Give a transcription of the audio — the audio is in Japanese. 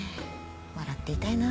笑っていたいな。